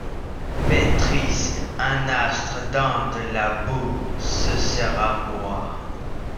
Pétris un astre dans de la boue, ce sera moi.